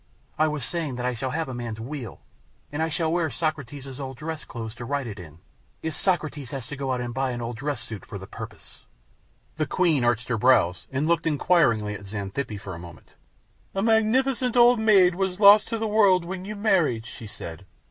I was saying that I shall have a man's wheel, and shall wear Socrates' old dress clothes to ride it in, if Socrates has to go out and buy an old dress suit for the purpose." The Queen arched her brows and looked inquiringly at Xanthippe for a moment. "A magnificent old maid was lost to the world when you married," she said.